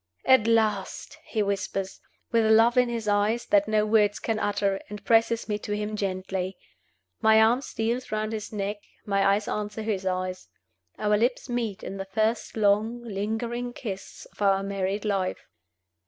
"At last!" he whispers, with love in his eyes that no words can utter, and presses me to him gently. My arm steals round his neck; my eyes answer his eyes. Our lips meet in the first long, lingering kiss of our married life.